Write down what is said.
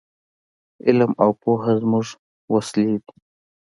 علم او پوهه زموږ وسلې دي.